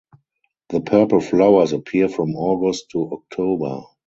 The purple flowers appear from August to October.